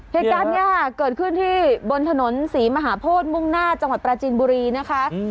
เหตุการณ์นี้เกิดขึ้นที่บนถนนศรีมหาโพธิมุ่งหน้าจังหวัดปราจีนบุรีนะคะ